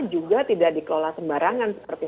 juga tidak dikelola sembarangan seperti